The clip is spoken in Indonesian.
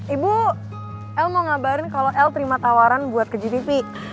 ibu el mau ngabarin kalau el terima tawaran buat ke gpp